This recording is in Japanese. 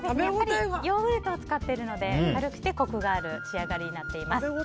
ヨーグルトを使っているので軽くてコクがある仕上がりになっています。